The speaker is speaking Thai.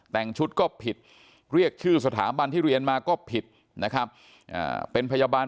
แต่งชุดก็ผิดเรียกชื่อสถาบันที่เรียนมาก็ผิดนะครับเป็นพยาบาล